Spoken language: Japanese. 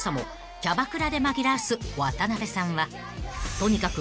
［とにかく］